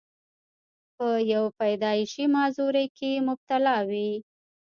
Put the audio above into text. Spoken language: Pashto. پۀ يو پېدائشي معذورۍ کښې مبتلا وي،